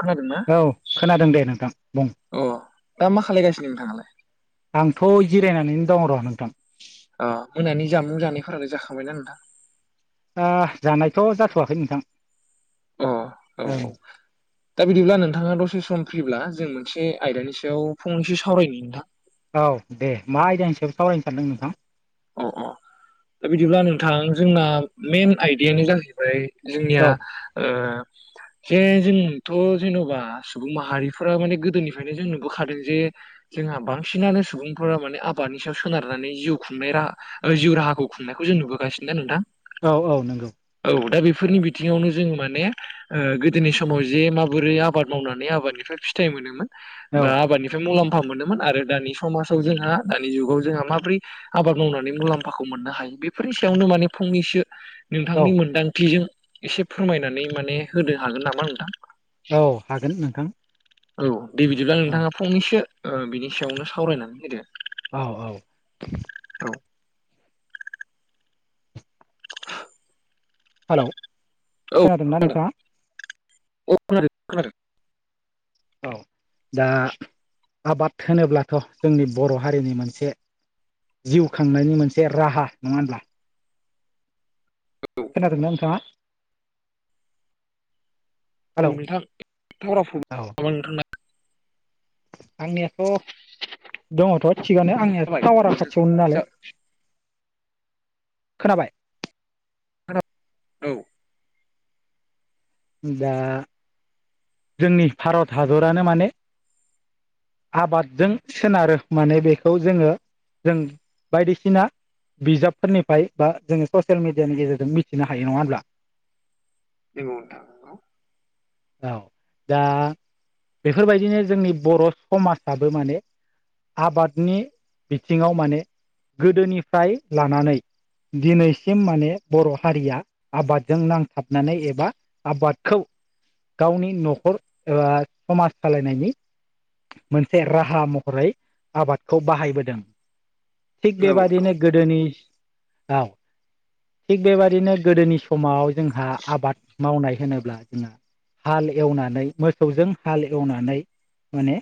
खोनादोंना? औ खोनादों दे नोंथां बुं। अ दा मा खालायगासिनो नोंथाङालाय? आंथ' जिरायनानैनो दं र' नोंथां। अ मोनानि जामुं जानायफोरालाय जाखांबायना नोंथां? ओ जानायथ' जाथ'वाखै नोंथां। अ औ ओं औ। दा बिदिब्ला नोंथाङा दसे सम फ्रिब्ला जों मोनसे आयदानि सायाव फंनैसो सावरायनो नोंथां। औ दे मा आयदानि हिसाबै सावरायनो सानदों नोंथां? अ अ दा बिदिब्ला नोंथां जोंना मेन आयदायानो जाहैबाय जोंनिया औ ओ जे जोंथ' जेन'बा सुबुं माहारिफोरा माने गोदोनिफ्रायनो जों नुबोखादों जे जोंहा बांसिनानो सुबुंफोरा माने आबादनि सायाव सोनारनानै जिउखौ बे राहा जिउ राहाखौ खुंनायखौ जों नुबोगासिनो ना नोंथां? औ औ नोंगौ। औ दा बेफोरनि बिथिङावनो जोङो माने ओ गोदोनि समाव जे माबोरै आबाद मावनानै आबादनिफ्राय फिथाइ मोनोमोन। औ बा आबादनिफ्राय मुलाम्फा मोनोमोन आरो दानि समाजाव जोंहा दानि जुगाव जोंहा माबोरै आबाद मावनानै मुलाम्फाखौ मोननो हायो बेफोरनि सायावनो माने फंनैसो औ नोंथांनि मोनदांथिजों एसे फोरमायनानै माने होनो हागोन नामा नोंथां? औ हागोन नोंथां औ दे बिदिब्ला औ नोंथाङा फंनैसो बिनि सायावनो सावरायनानै होदो औ औ औ [inaudible] हेलौ औ खोनादोंना खोनादों नोंथाङा। औ खोनादों खोनादों औ दा आबाद होनोब्लाथ' जोंनि बर' हारिनि मोनसे जिउ खांनायनि मोनसे राहा नङा होमब्ला? औ खोनादोंना नोंथाङा? हेलौ औ नोंथां औ [unintelligible] आंनियाथ' दङथ' थिगानो आंनियाथ' जाबाय टावारा खाथियावनो जा नालाय। खोनाबाय? [unintelligible] औ होमबा जोंनि भारत हादरानो माने आबादजों सोनारो माने बेखौ जोङो जों बायदिसिना बिजाबफोरनिफ्राय बा जोङो ससियेल मिडियानि गेजेरजों मिथिनो हायो नङा होनब्ला [unintelligible] औ। दा बेफोरबायदिनो जोंनि बर' समाजाबो माने आबादनि बिथिङाव माने गोदोनिफ्राय लानानै दिनैसिम माने बर' हारिया आबादजों नांथाबनानै एबा आबादखौ गावनि न'खर एबा समाज सालायनायनि मोनसे राहा महरै आबादखौ बाहायबोदों थिग औ बेबायदिनो गोदोनिआव थिग बेबायदिनो गोदोनि समाव जोंहा आबाद मावनाय होनोब्ला जोंहा हाल एवनानै मोसौजों हाल एवनानै माने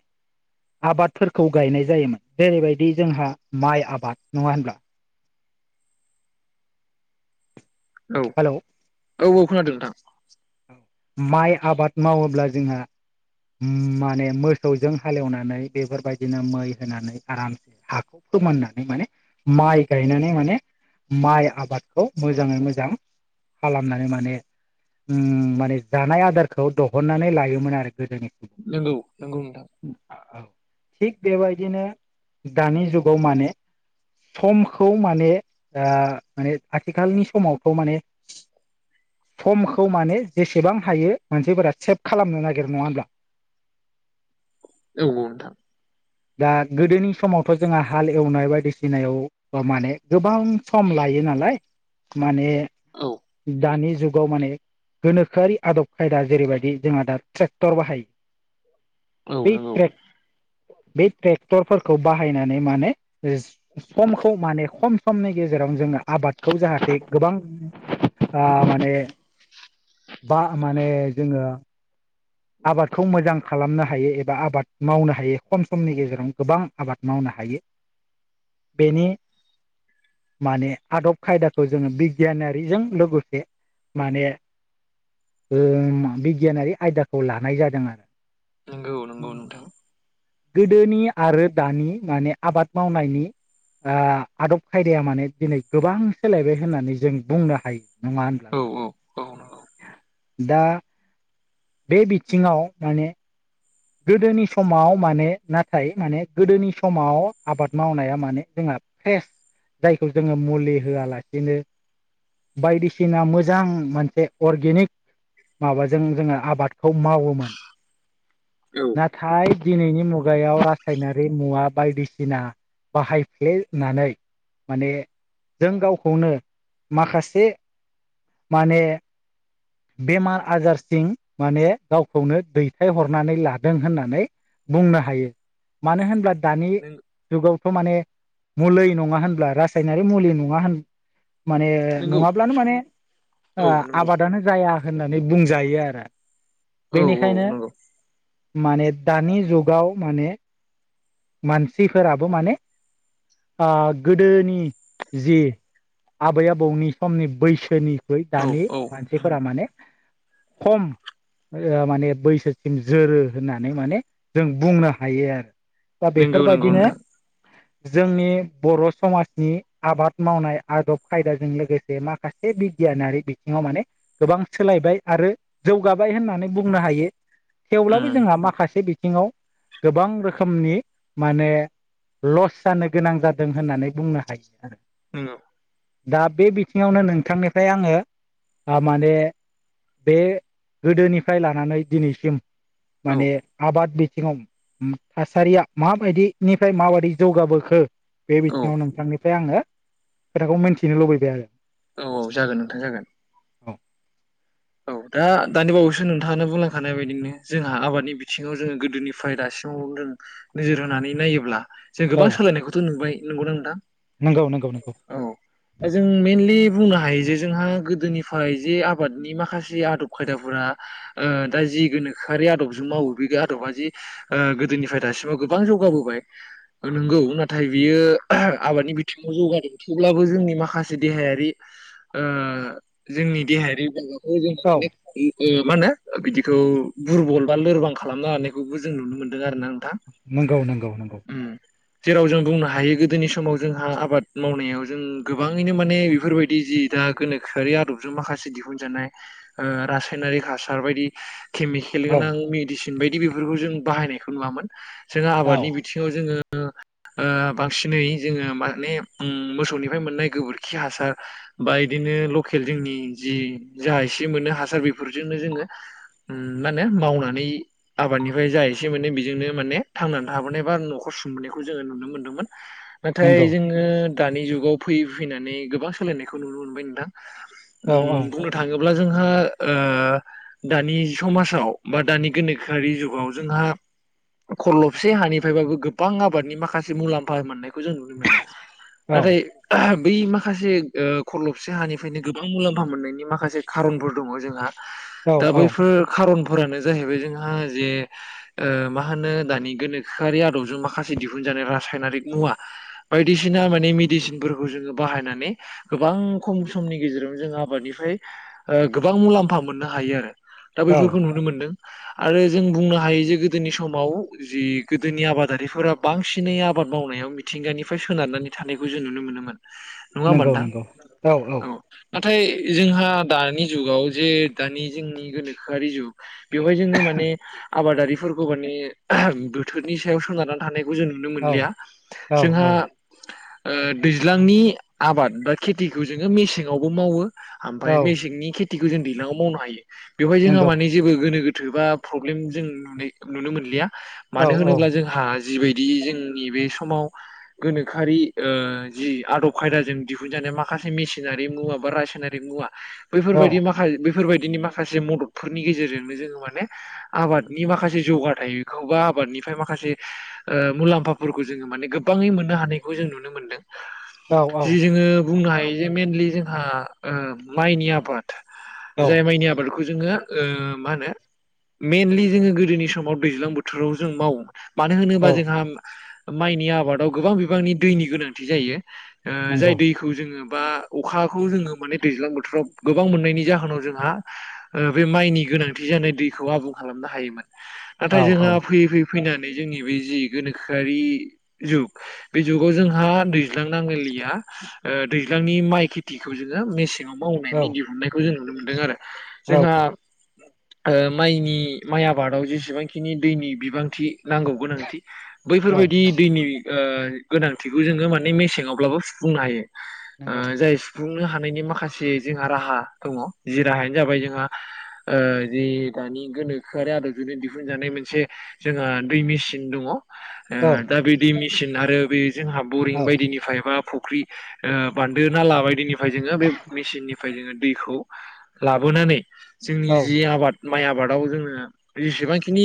आबादफोरखौ गायनाय जायोमोन जेरैबायदि जोंहा माइ आबाद नङा होनब्ला। औ हेलौ औ औ खोनादों नोंथां। औ माइ आबाद मावोब्ला जोंहा। माने मोसौजों हालेवनानै बेफोरबायदिनो मै होनानै आरामसे हाखौ फोरोमाननानै माने माइ गायनानै माने माइ आबादखौ मोजाङै मोजां खालामनानै माने माने जानाय आदारखौ दिहननानै लायोमोन आरो गोदोनि सुबुङा नंगौ नंगौ नोंथां औ थिग बेबायदिनो दानि जुगाव माने समखौ माने माने आथिखालनि समावथ माने सम खौ माने जेसेबां हायो मोनसेफोरा सेभ खालामनो नागिर नङा होनब्ला औ औ दा गोदोनि समावथ' जोंहा हाल एवनाय बायदिसिनायाव माने गोबां सम लायो नालाय माने औ दानि जुगाव माने गोनोखोआि आदब खायदा जेरैबायदि जोंहा दा ट्रेक्टर बाहायो औ बै नंगौ ट्रेक बै ट्रेक्टरफोरखौ बाहायनानै माने समखौ माने खम समनि गेजेरावनो जोङो आबादखौ जाहाथे गोबां ओ माने बा माने जोङो आबादखौ मोजां खालामनो हायो एबा आबाद मावनो हायो खम समनि गेजेराव गोबां आबाद मावनो हायो। [inaudible] बेनि माने आदब खायदाखौ जोङो बिगियानारिजों लोगोसे माने बिगियानारि आयदा खौ लानाय जादों आरो। औ नंगौ नोंथां। गोदोनि आरो दानि माने आबाद मावनायनि आदब खायदाया माने दिनै गोबां सोलायबाय होननानै जों बुंनो हायो ना मा होनो औ-औ-औ दा बे बिथिङाव माने गोदोनि समाव माने नाथाय माने गोदोनि समाव आबाद मावनाया माने जोंहा जायखौ जोङो मुलि होआलासिनो बायदिसिना मोजां मोनसे अर्गेनिक माबाजों जोङो आबादखौ मावोमोन। औ नाथाय दिनैनि मुगायाव रासायनारि मुवा बायदिसिना बाहायफ्लेनानै माने जों गावखौनो माखासे माने बेमार आजारथिं माने गावखौनो दैथायहरनानै लादों। दों होननानै बुंनो हायो मानो होनब्ला दानि जुगावथ' माने मुलि नङा होनब्ला रासायनारि मुलि नङा होन माने नंगौ नङाब्लानो माने औ नंगौ आबादानो जाया होननानै बुंजायो आरो औ बेनिखायनो नंगौ माने दानि जुगाव माने मानसिफोराबो माने गोदोनि जि आबै आबौनि समनि बैसोनि बै औ दानि औ मानसिफोरा माने खम माने बैसोसिम जोरो होननानै माने जों बुंनो हायो आरो। दा नंगौ नंगौ बेफोरबायदिनो। नोंथां [inaudible] जोंनि बर' समाजनि आबाद मावनाय आदब खायदाजों लोगोसे माखासे बिगियानारि बिथिङाव माने गोबां सोलायबाय आरो जौगाबाय होननानै बुंनो हायो। थेवब्लाबो जोंहा माखासे बिथिङाव गोबां रोखोमनि। माने लस जानो गोनां जादों होननानै बुंनो हायो आरो नंगौ दा बे बिथिङावनो नोंथांनिफ्राय आङो माने बे गोदोनिफ्राय लानानै दिनैसिम औ माने आबाद बिथिङाव थासारिया माबायदिनिफ्राय माबायदि जौगाबोखो बे औ बिथिङाव नोंथांनिफ्राय आङो। खोथाखौ मोनथिनो लुबैबाय आरो। औ औ जागोन नोंथां जागोन औ औ दा दानि बावैसो नोंथाङा बुंलांखानाय बायदिनो जोंहा आबादनि बिथिङाव जोङो गोदोनि ओमफाय दासिमाव जों नोजोर होनानै नायोब्ला जों औ गोबां सोलायनायखौथ' नुबाय नंगौना नोंथां। नंगौ नंगौ नंगौ औ जों मेइनलि बुंनो हायो जे जोंहा गोदोनिफ्राय जे आबाद नि माखासे आदब खायदाफोरा दा ओ जि गोनोखोआरि आदबजों मावो बे आदबा जि ओ गोदोनिफ्राय दासिमाव गोबां जौगाबोबाय। नंगौ नाथाय बियो आबादनि बिथिङाव जौगादों थेवब्लाबो जोंनि माखासे देहायारि ओ जोंनि देहायारि माबाखौ औ [unintelligible] ओ मा होनो बिदिखौ दुरबल बा लोरबां खालामनो हानायखौबो जों नुनो मोनदों आरो ना नोंथां। नंगौ नंगौ नंगौ। ओम। जेराव जों बुंनो हायो गोदोनि समाव जोंहा आबाद मावनायाव जों गोबाङैनो माने बेफोरबायदि जि दा गोनोखोआरि आदबजों माखासे दिहुन जानाय ओ रायनारि हासार बायदि केमिकेल औ गोनां मेदिसिन बायदि बेफोरखौ जों बाहायनायखौ नुवामोन जोंहा औ आबादनि बिथिङाव जोंङो ओ बांसिनै जोङो माने मोसौनिफ्राय मोननाय गोबोरखि हासार बा इदिनो लकेल जोंनि जि जा इसे मोनो हासार बेफोरजोंनो जोङो ओम मा होनो मावनानै आबादनिफ्राय जा एसे मोनो बेजोंनो माने थांनानै थाबोनाय बा न'खर सुंबोनायखौ जोङो नुनो मोन्दोंमोन। [inaudible] नाथाय नंगौ जोङो दानि जुगाव फैयै फैनानै गोबां सोलायनायखौ नुनो मोनबाय नोंथां। औ ओम औ बुंनो थाङोब्ला जोंहा ओ दानि समाजाव बा दानि गोनोखोआरि जुगाव जोंहा खरलबसे हानिफ्रायबाबो गोबां आबादनि माखासे मुलाम्फा मोननायखौ जों नुनो मोनो। औ नाथाय बै माखासे ओ खरलबसे हानिफ्रायनो गोबां मुलाम्फा मोननायनि माखासे खारनफोर दङ जोंहा औ दा औ बैफोर खारनफोरानो जाहैबाय जोंहा जे ओ मा होनो दानि गोनोखोआरि आदबजों माखासे दिहुनजानाय रासायनारिक मुवा बायदिसिना माने मेडिसिनफोरखौ जोंङो बाहायनानै गोबां खम समनि गेजेरावनो जों आबादनिफ्राय ओ गोबां मुलाम्फा मोननो हायो आरो दा औ बैफोरखौ नुनो मोन्दों। आरो जों बुंनो हायो जे गोदोनि समाव जि गोदोनि आबादारिफोरा बांसिनै आबाद मावनायाव मिथिंगानिफ्राय सोनारनानै थानायखौ जों नुनो मोनोमोन। नंङा ओमबा नोथां? औ। नाथाय जोंहा दानि जुगाव जे दानि जोंनि गोनोखोआरि जुग बेवहाय जोंङो माने आबादारिफोरखौ माने बोथोरनि सायाव सोनारनानै थानायखौ जों नुनो औ मोनलिया औ जोंहा ओ दैज्लांनि आबाद बा खेथिखौ जोंङो मेसेंआवबो मावो। ओमफ्राय औ मेसेंनि खेथिखौ जों दैलाङाव मावनो हायो बेवहाय जोंहा नंगौ माने जेबो गोनो गोथो बा प्रब्लेम जों नुनो नुनो मोनलिया औ मानो औ होनोब्ला जों जोंहा जिबायदि जोंनि बे समाव गोनोखोआरि ओ जि आदब खायदाजों दिहुनजानाय माखासे मेसिनारि मुवा बा रासायनारि मुवा औ बैफोरबायदि माखा बेैफोरबायदिनि माखासे मददफोरनि गेजेरजोंनो जोंङो माने आबादनि माखासे जौगाथायखौबो आबादनिफ्राय माखासे ओ मुलाम्फाफोरखौ जोंङो माने गोबाङै मोननो हानायखौ जों नुनो मोनदों। जि औ जोंङो बुंनो हायो जे मेइनलि जोंहा ओ माइनि आबाद। जाय माइनि आबादखौ जोंङो ओ मा होनो मेनलि जोंङो गोदोनि समाव दैज्लां बोथोराव जों मावो। मानो होनोबा औ जोंहा माइनि आबादाव गोबां बिबांनि दैनि गोनांथि जायो। ओ जाय नंगौ दैखौ जोंङो बा अखाखौ जोंङो माने दैज्लां बोथोराव फोराव गोबां मोननायनि जाहोनाव जोंहा ओ बे माइनि गोनांथि जानाय दैखौ आबुं खालामनो हायोमोन नाथाय औ औ जोंहा फैयै फैयै फैनानै जोंनि बे जि गोनोखोआरि जुग बे जुगाव जोंहा दैज्लां नांलाय लाया ओ दैज्लांनि माइ खेथिखौ जोंङो मेसें मावनायनि दिहुननायखौ जों नुनो मोनदों आरो औ जोंहा ओ माइनि माइ आबादाव जेसेबांखिनि दैनि बिबांथि नांगौ गोनांथि बैफोर औ बायदि दैनि ओ गोनांथिखौ जोंङो माने मेसेङावब्लाबो सुफुंनो हायो। ओ नंगौ नंगौ जाय बुंनो हानायनि माखासे जोंहा राहा दङ जि राहायानो जाबाय जोंहा ओ जि दानि गोनोखोआरि आदब जोंनो दिहुनजानाय मोनसे जोंहा दै मेचिन दङ। औ दा बे दै मेसिन आरो बे जोंहा बरिं औ बायदिनिफ्रायबा फुख्रि ओ बान्दो नाला बायदिनिफ्राय जोङो बे निफ्राय जोङो दैखौ लाबोनानै जोंनि औ जि आबाद माइ आबादाव जोङो जेसेबांखिनि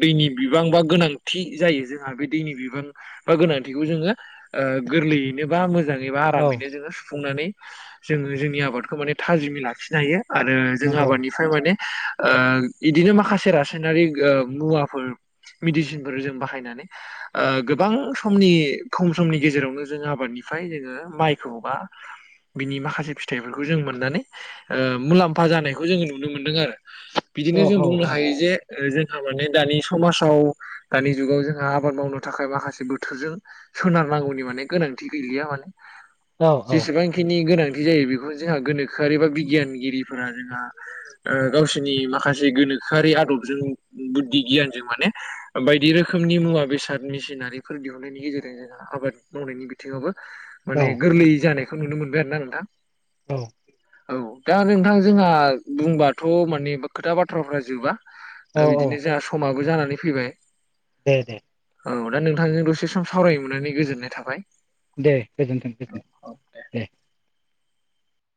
दैनि बिबां बा गोनांथि जायो जोंहा बे दैनि बिबां बा गोनांथिखौ जोंङो ओ गोरलैयैनो बा मोजाङै बा औ आरामैनो जोंङो सुफुंनानै जोंङो जोंनि आबादखौ माने थाजिमै लाखिनो हायो आरो जों नंगौ आबादनिफ्राय माने ओ इदिनो माखासे रासायनारि ओ मुवाफोर मिदिसिनफोर जों बाहायनानै ओ गोबां समनि खम समनि गेजेरावनो जोंङो आबादनिफ्राय जोंङो माइखौबा बिनि माखासे फिथाइफोरखौ जों मोननानै ओ मुलाम्फा जानायखौ जोंङो नुनो मोनदों आरो। औ बिदिनो जों औ बुंनो हायो जे जोंहा माने दानि समाजाव दानि जुगाव जोंहा आबाद मावनो थाखाय माखासे बोथोरजों सोनारनांगौनि माने गोनांथि गैलिया माने औ औ जेसेबां बेखिनि गोनांथि जायो बेखौनो जोंहा गोनोखोआरि बा बिगियान गिरिफोरा जोंहा गावसोरनि माखासे गोनोखोआरि आदबजों बुद्धि गियानजों माने बायदि रोखोमनि मुवा बेसादनि मिसिनारिफोर दिहुननायनि गेजेरजों आबाद मावनायनि बिथिङावबो माने औ गोरलै जानायखौ नुनो मोनबाय आरो ना नोंथां। औ औ दा नोंथां जोंहा बुंबाथ माने खोथा बाथ्राफ्रा जोबा। औ दा औ बिदिनो जोंहा समाबो जानानै फैबाय दे दे औ दा नोंथांजों दसे सम सावरायनो मोननानै गोजोननाय थाबाय। दे गोजोन्थों गोजोनथों औ दे।